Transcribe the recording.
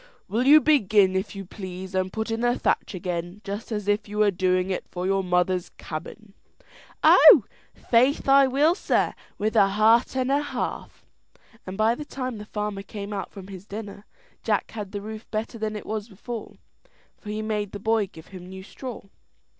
Will you begin, if you please, and put in the thatch again, just as if you were doing it for your mother's cabin?" "Oh, faith I will, sir, with a heart and a half;" and by the time the farmer came out from his dinner, Jack had the roof better than it was before, for he made the boy give him new straw.